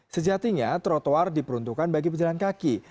sejatinya trotoar diperuntukkan bagi pejalan kaki